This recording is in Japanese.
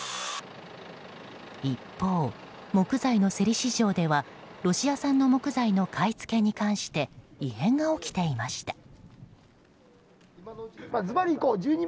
一方、木材の競り市場ではロシア産の木材の買い付けに関して異変が起きていました。